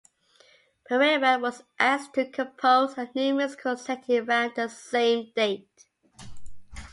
Parera was asked to compose a new musical setting around the same date.